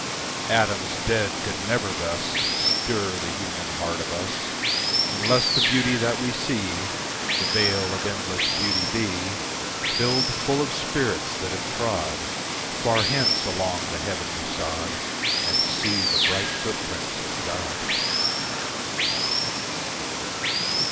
Atoms dead could never thus Stir the human heart of us Unless the beauty that we see The veil of endless beauty be, Filled full of spirits that have trod Far hence along the heavenly sod And see the bright footprints of God.